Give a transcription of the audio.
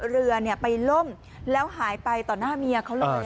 เรือไปล่มแล้วหายไปต่อหน้าเมียเขาเลย